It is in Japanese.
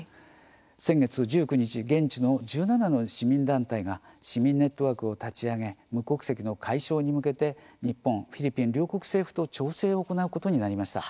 先月１９日現地の１７の市民団体が市民ネットワークを立ち上げ無国籍の解消に向けて日本、フィリピン両国政府と調整を行うことになりました。